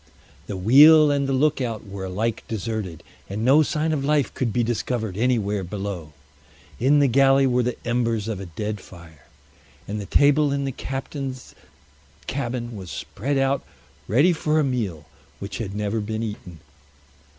The wheel and the lookout were alike deserted, and no sign of life could be discovered anywhere below. In the galley were the embers of a dead fire, and the table in the captain's cabin was spread out ready for a meal which had never been eaten.